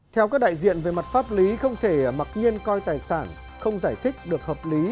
theo các đại diện về mặt pháp lý không thể mặc nhiên coi tài sản không giải thích được hợp lý